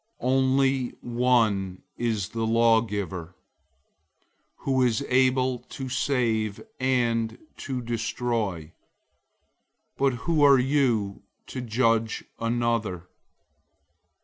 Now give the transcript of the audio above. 004:012 Only one is the lawgiver, who is able to save and to destroy. But who are you to judge another?